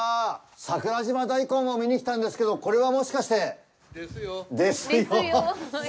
桜島大根を見に来たんですけど、これは、もしかしてですよ。